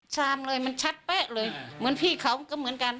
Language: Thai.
ชามเลยมันชัดเป๊ะเลยเหมือนพี่เขาก็เหมือนกัน